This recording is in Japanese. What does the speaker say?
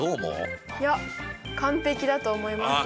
いや完璧だと思いますよ。